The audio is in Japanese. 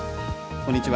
こんにちは。